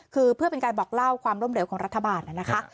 คือเพื่อเป็นการบอกเล่าความล้มเหลวของรัฐบาลนะคะ